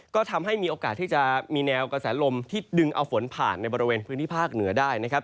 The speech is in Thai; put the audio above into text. ก็ทำให้มีโอกาสที่จะมีแนวกระแสลมที่ดึงเอาฝนผ่านในบริเวณพื้นที่ภาคเหนือได้นะครับ